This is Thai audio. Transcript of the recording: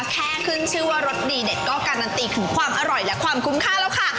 แค่ขึ้นชื่อว่ารสดีเด็ดก็การันตีถึงความอร่อยและความคุ้มค่าแล้วค่ะ